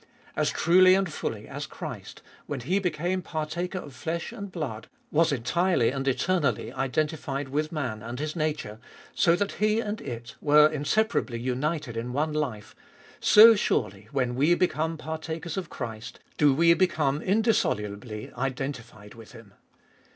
As truly and fully as Christ, when He became partaker of flesh and blood, was entirely and eternally identified with man and His nature, so that He and it were inseparably united in one life, so surely, when we become partakers of Christ, do we become indissolubly identified with Him.